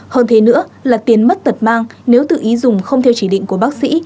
hơn thế nữa là tiền mất tật mang nếu tự ý dùng không theo chỉ định của bác sĩ